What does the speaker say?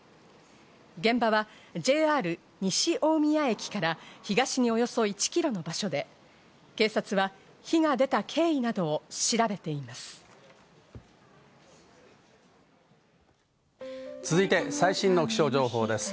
現場はＪＲ西大宮駅から東におよそ１キロの場所で、警察は火が出た経緯などを調べています。